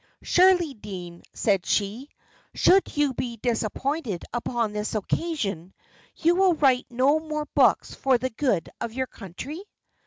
"Surely, dean," said she, "should you be disappointed upon this occasion, you will write no more books for the good of your country?"